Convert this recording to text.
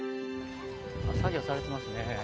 作業されていますね。